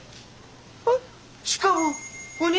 えっしかもお肉。